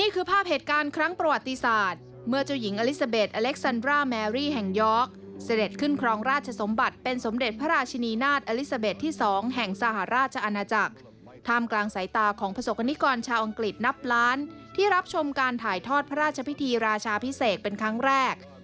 ขอบคุณทุกวันของพระเจ้าและพระเจ้าทุกวันของพระเจ้า